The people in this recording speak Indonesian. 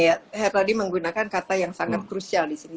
ya herlady menggunakan kata yang sangat krusial disini